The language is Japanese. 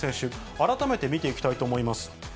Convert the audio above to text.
改めて見ていきたいと思います。